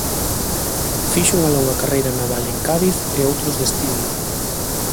Fixo unha longa carreira naval en Cádiz e outros destinos.